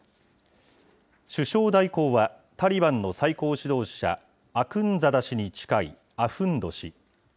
首相代行はタリバンの最高指導者、アクンザダ師に近いアフンド師。